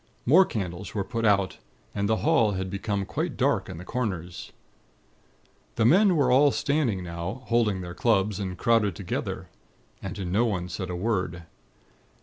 More candles were put out, and the hall had become quite dark in the corners. "The men were all standing now, holding their clubs, and crowded together. And no one said a word.